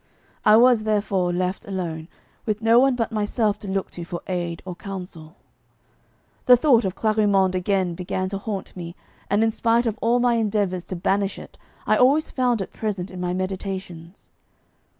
I was, therefore, left alone, with no one but myself to look to for aid or counsel. The thought of Clarimonde again began to haunt me, and in spite of all my endeavours to banish it, I always found it present in my meditations.